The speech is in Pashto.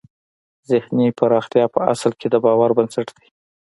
ذهني پراختیا په اصل کې د باور بنسټ دی